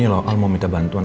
lokal mau minta bantuan